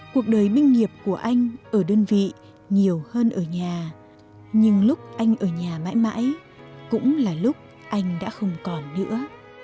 cuộc đời binh nghiệp của anh ở đơn vị nhiều hơn ở nhà nhưng lúc anh ở nhà mãi mãi cũng là lúc anh đã không còn nữa